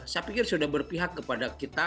saya pikir sudah berpihak kepada kita